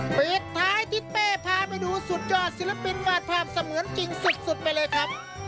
ปิดท้ายทิศเป้พาไปดูสุดยอดศิลปินวาดภาพเสมือนจริงสุดไปเลยครับ